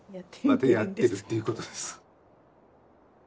またやってるっていうことです。